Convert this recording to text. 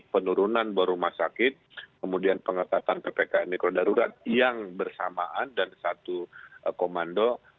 penurunan rumah sakit kemudian pengetahuan ppkn mikro darurat yang bersamaan dan satu komando